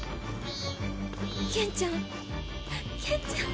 健ちゃん健ちゃん！